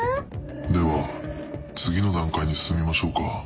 では次の段階に進みましょうか。